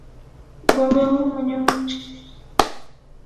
Mgombea huyo mwenye umri wa miaka arobaini